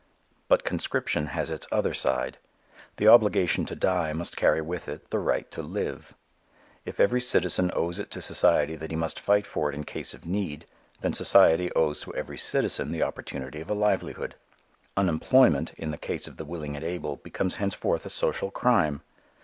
But conscription has its other side. The obligation to die must carry with it the right to live. If every citizen owes it to society that he must fight for it in case of need, then society owes to every citizen the opportunity of a livelihood. "Unemployment," in the case of the willing and able becomes henceforth a social crime.